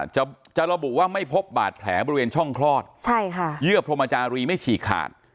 จะจะระบุว่าไม่พบบาดแผลบริเวณช่องคลอดเยื่อพรมจารีไม่ฉีกขาด